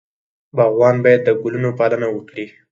باغوان باید د ګلونو پالنه وکړي.